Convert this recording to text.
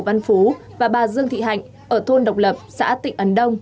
văn phú và bà dương thị hạnh ở thôn độc lập xã tịnh ấn đông